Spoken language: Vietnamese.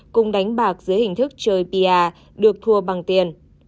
cùng đánh bạc dưới hình thức chơi pia được thua bằng tiền